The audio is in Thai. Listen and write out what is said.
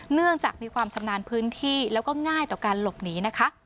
เนื่องจากมีความชำนาญพื้นที่แล้วก็ง่ายต่อการหลบหนีนะคะ